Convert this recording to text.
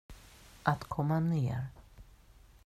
Att komma ner.